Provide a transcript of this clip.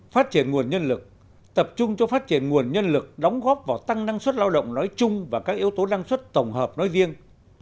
phát triển nguồn nhân lực tập trung cho phát triển nguồn nhân lực đóng góp vào tăng năng suất lao động nói chung và các yếu tố năng suất tổng hợp nói riêng